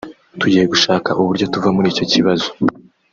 tugiye gushaka uburyo tuva muri icyo kibazo